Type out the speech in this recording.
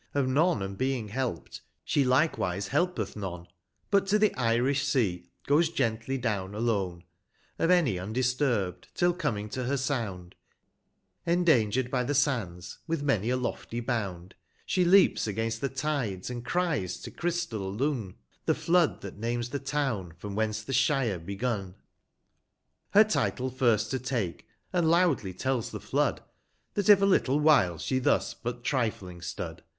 Of none and being help'd, she likewise helpeth none, But to the Irish Sea goes gently down alone i80 Of any undisturb'd, till coming to her Sound, Endangered by the sands, with many a lofty bound, She leaps against the tides, and cries to crystal Lon, The Flood that names the Town, from whence the Shire begun Her title first to take, and loudly tells the Flood, is5 That if a little while she thus but trifling stood.